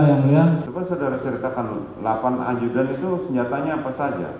coba saudara ceritakan delapan anjudan itu senjatanya apa saja